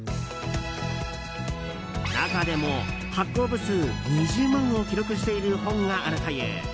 中でも、発行部数２０万を記録している本があるという。